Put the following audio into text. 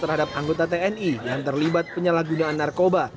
penghasilan petugas terhadap anggota tni yang terlibat penyalahgunaan narkoba